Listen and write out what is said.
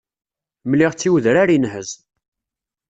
Mliɣ-tt i udrar inhez.